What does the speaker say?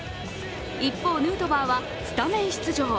一方、ヌートバーはスタメン出場。